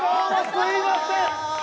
すみません！